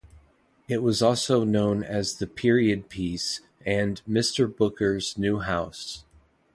It was also known as the "Period Piece" and "Mr Booker's new house".